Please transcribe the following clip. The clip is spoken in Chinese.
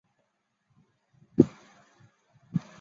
它得名于瓦西里岛东端岬角著名的老证券交易所大楼。